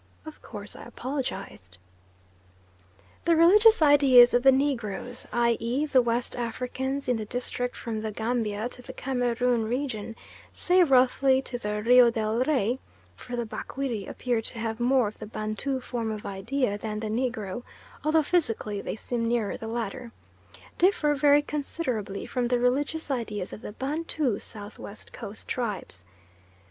Of course I apologised. The religious ideas of the Negroes, i.e. the West Africans in the district from the Gambia to the Cameroon region, say roughly to the Rio del Rey (for the Bakwiri appear to have more of the Bantu form of idea than the negro, although physically they seem nearer the latter), differ very considerably from the religious ideas of the Bantu South West Coast tribes.